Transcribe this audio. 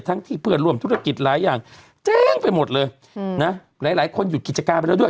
ที่เพื่อนร่วมธุรกิจหลายอย่างเจ๊งไปหมดเลยนะหลายหลายคนหยุดกิจการไปแล้วด้วย